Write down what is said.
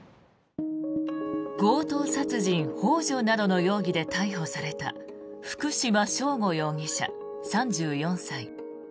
強盗殺人ほう助などの容疑で逮捕された福島聖悟容疑者、３４歳。